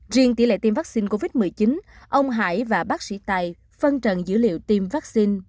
riêng tỷ lệ tiêm vaccine covid một mươi chín ông hải và bác sĩ tài phân trần dữ liệu tiêm vaccine